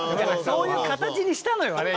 そういう形にしたのよあれ。